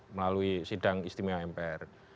melalui sidang istimewa mpr